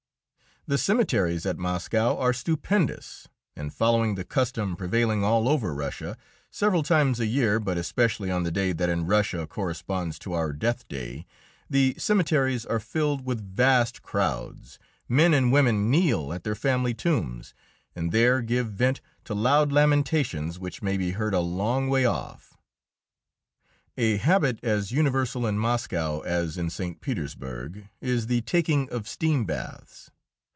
The cemeteries at Moscow are stupendous, and following the custom prevailing all over Russia, several times a year, but especially on the day that in Russia corresponds to our Death Day, the cemeteries are filled with vast crowds. Men and women kneel at their family tombs, and there give vent to loud lamentations, which may be heard a long way off. A habit as universal in Moscow as in St. Petersburg is the taking of steam baths.